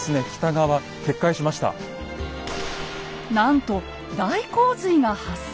なんと大洪水が発生。